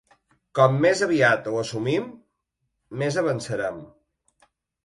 Com més aviat ho assumim més avançarem.